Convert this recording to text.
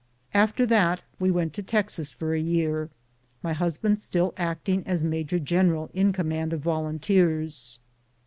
After that we went to Texas for a year, my husband still acting as major general in command of Volunteers.